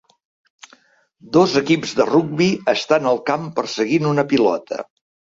Dos equips de rugbi estan al camp perseguint una pilota.